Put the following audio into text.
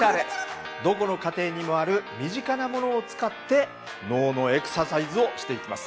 どこの家庭にもある身近なものを使って脳のエクササイズをしていきます。